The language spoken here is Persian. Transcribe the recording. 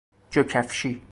جاکفشی